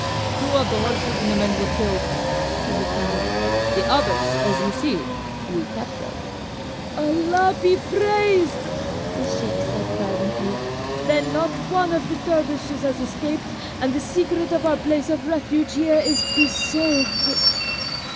"Two of the horses and the men were killed," he replied. "The others, as you see, we captured." "Allah be praised!" the sheik said fervently; "then not one of the dervishes has escaped, and the secret of our place of refuge here is preserved."